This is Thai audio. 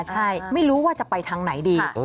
ใช่ไม่รู้ว่าจะไปทางไหนดี